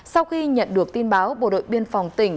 sau khi nhận được tin báo bộ đội biên phòng tỉnh